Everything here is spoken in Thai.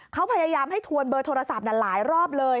เขาพยายามให้ทวนเบอร์โทรศัพท์หลายรอบเลย